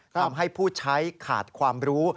ทำให้ผู้ใช้ขาดความรู้